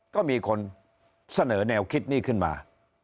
ก็มีคนเสนอแนวคิดนี้ขึ้นมา